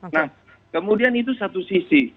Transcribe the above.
nah kemudian itu satu sisi